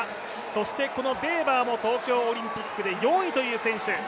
そしてベーバーも東京オリンピックで４位という選手。